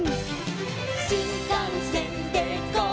「しんかんせんでゴー！